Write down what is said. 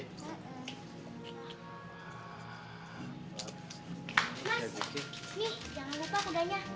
mas nih jangan lupa kuganya